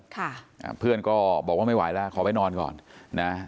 ค่ะอ่าเพื่อนก็บอกว่าไม่ไหวแล้วขอไปนอนก่อนนะ